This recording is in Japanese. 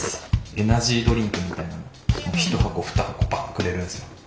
エナジードリンクみたいなの一箱二箱バッくれるんすよ。